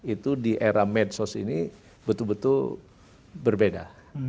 itu di era medsos ini betul betul berbeda